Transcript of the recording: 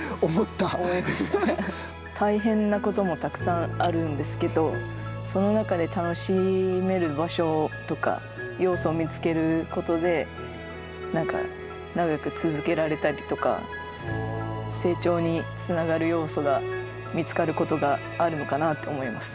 大変なこともたくさんあるんですけど、その中で楽しめる場所とか、要素を見つけることで、長く続けられたりとか、成長につながる要素が見つかることがあるのかなと思います。